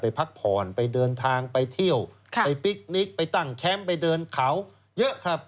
พักผ่อนไปเดินทางไปเที่ยวไปพิคนิคไปตั้งแคมป์ไปเดินเขาเยอะครับ